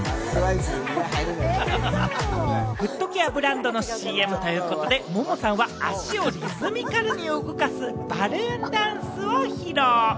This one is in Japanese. フットケアブランドのＣＭということで、モモさんは足をリズミカルに動かす、バルーンダンスを披露。